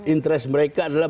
interes mereka adalah